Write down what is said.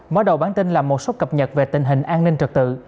mở đầu bản tin là một số cập nhật về tình hình an ninh trật tự